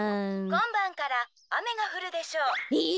「こんばんからあめがふるでしょう」。